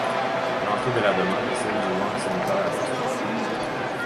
L'entrée de la demeure est celle du Wang Center à Boston.